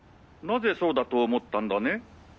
なぜそうだと思ったんだね？